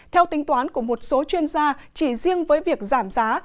theo tính toán của một số chuyên gia chỉ riêng với việc giảm giá